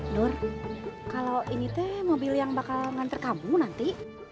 duh kalau ini mobil yang bakal nganter kamu nanti